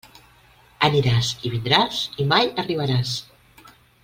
Aniràs i vindràs i mai arribaràs.